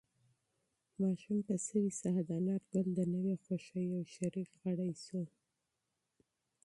ماشوم په سوې ساه د انارګل د نوې خوښۍ یو شریک غړی شو.